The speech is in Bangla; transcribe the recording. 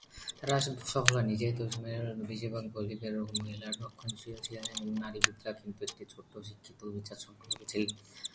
তারা সফল হয়নি, যেহেতু এই সময়ে বেশিরভাগ বলিভিয়ার মহিলারা রক্ষণশীল ছিলেন এবং নারীবাদীরা কিন্তু একটি ছোট শিক্ষিত অভিজাত সংখ্যালঘু ছিলেন।